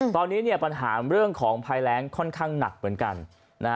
ตอนนี้ปัญหาเรื่องของภัยแรงค่อนข้างหนักเหมือนกัน